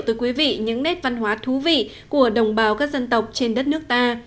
tới quý vị những nét văn hóa thú vị của đồng bào các dân tộc trên đất nước ta